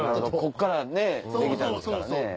こっからできたんですからね。